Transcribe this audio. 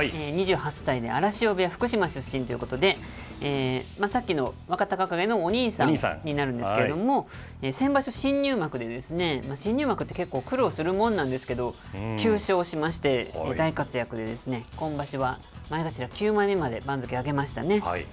２８歳で荒汐部屋、福島出身ということで、さっきの若隆景のお兄さんになるんですけれども、先場所、新入幕で、新入幕って結構苦労するもんなんですけど、９勝しまして、大活躍でですね、今場所は前頭９枚目まで番付上げましたね。